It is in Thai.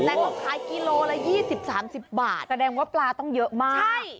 แต่เขาขายกิโลละยี่สิบสามสิบบาทแสดงว่าปลาต้องเยอะมากใช่